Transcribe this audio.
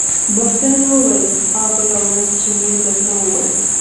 محسن وويل ها بله ورځ چې مې درته وويل.